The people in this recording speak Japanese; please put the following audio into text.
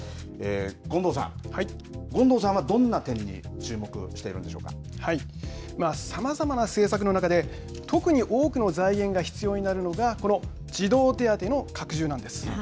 権藤さん、権藤さんはどんな点にはい、さまざまな政策の中で特に多くの財源が必要になるのがこの児童手当の拡充なんです。